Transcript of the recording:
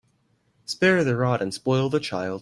Spare the rod and spoil the child.